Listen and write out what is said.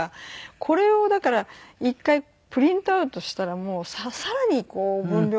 これをだから１回プリントアウトしたらもう更に文量が多くなって。